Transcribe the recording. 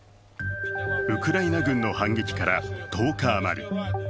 ウクライナ軍の反撃から１０日余り。